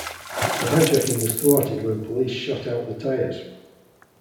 The hijacking was thwarted when police shot out the tires.